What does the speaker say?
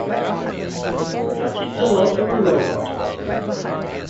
Such is the lot of a robot.